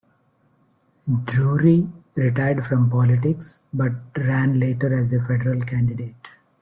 Drury retired from politics, but ran later as a federal candidate.